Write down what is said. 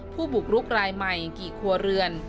ผู้บุกรุกรายใหม่กี่ครัวเรือน